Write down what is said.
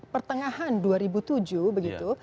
pertengahan dua ribu tujuh begitu